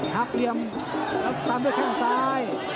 หักเลี่ยมตามด้วยแค่ข้างซ้าย